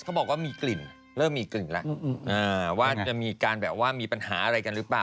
เริ่มมีกลิ่นแล้วว่าจะมีการแบบว่ามีปัญหาอะไรกันหรือเปล่า